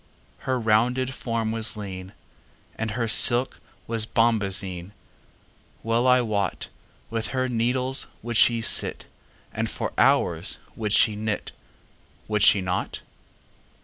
Her rounded form was lean, And her silk was bombazine:Well I wotWith her needles would she sit, And for hours would she knit,—Would she not?